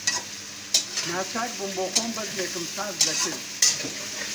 ناچار بووم بۆخۆم بەزمێکم ساز دەکرد